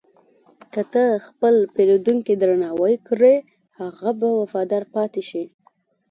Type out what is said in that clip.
که ته خپل پیرودونکی درناوی کړې، هغه به وفادار پاتې شي.